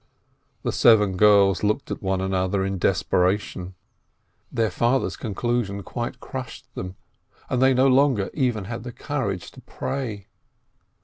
The seven girls looked at one another in desperation ; 422 RAISIN their father's conclusion quite crushed them, and they had no longer even the courage to pray.